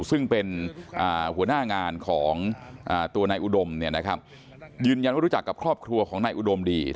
ซึ่งเป็นหัวหน้างานของตัวนายอุดมยืนยันว่ารู้จักกับครอบครัวของนายอุดมดี